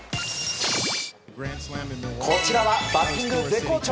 こちらはバッティング絶好調。